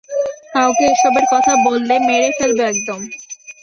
কাউকে এসবের কথা বললে মেরে ফেলব একদম।